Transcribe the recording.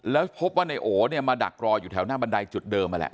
แล้วพบว่านายโอเนี่ยมาดักรออยู่แถวหน้าบันไดจุดเดิมนั่นแหละ